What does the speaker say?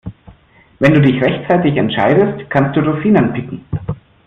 Wenn du dich rechtzeitig entscheidest, kannst du Rosinen picken.